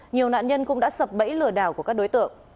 nhiều nạn nhân cũng đã sập bẫy lừa đảo của các đối tượng